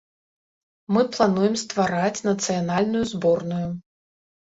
Мы плануем ствараць нацыянальную зборную.